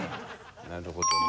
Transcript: なるほどね。